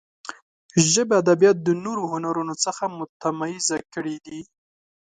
ژبې ادبیات د نورو هنرونو څخه متمایزه کړي دي.